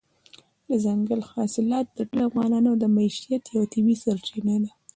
دځنګل حاصلات د ټولو افغانانو د معیشت یوه طبیعي سرچینه ده.